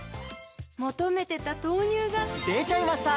求めてた豆乳がでちゃいました！